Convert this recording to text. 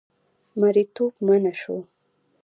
مریتوب منع شو.